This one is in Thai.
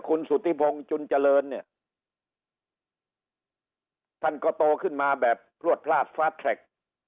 คุณสุธิพงศ์จุนเจริญเนี่ยท่านก็โตขึ้นมาแบบพลวดพลาดฟาดแทรก